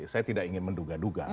saya tidak ingin menduga duga